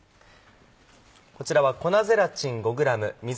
こちらは。